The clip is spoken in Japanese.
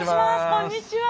こんにちは！